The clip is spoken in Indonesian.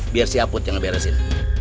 biar si aput yang ngeberesin